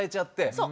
そう。